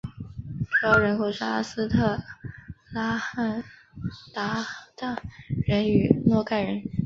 主要人口是阿斯特拉罕鞑靼人与诺盖人。